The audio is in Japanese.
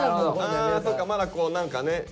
そっかまだこう何かね